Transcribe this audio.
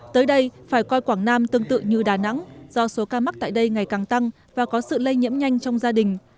tới đây phải coi quảng nam tương tự như đà nẵng do số ca mắc tại đây ngày càng tăng và có sự lây nhiễm nhanh trong gia đình